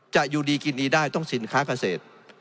อยู่ดีกินดีได้ต้องสินค้าเกษตร